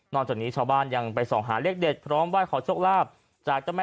จากนี้ชาวบ้านยังไปส่องหาเลขเด็ดพร้อมไห้ขอโชคลาภจากเจ้าแม่